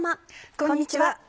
こんにちは。